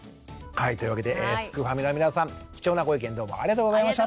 はいというわけですくファミの皆さん貴重なご意見どうもありがとうございました。